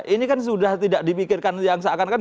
ini kan sudah tidak dipikirkan yang seakan akan